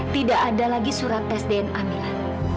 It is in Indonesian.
tidak ada lagi surat tes dna milan